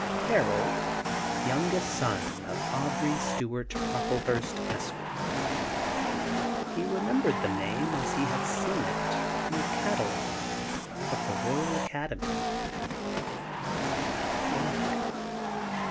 Harold, youngest son of Aubrey Stewart Brockle hurst. Esquire. He remembered the name as he had seen it in a catalogue of the Royal Academy — how long ago